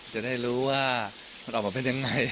จะได้รู้ว่ามันออกมาเป็นยังไง